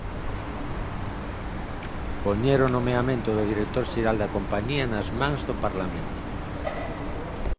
poñer o nomeamento do director xeral da Compañía nas mans do Parlamento.